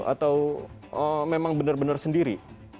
atau memang benar benar sendiri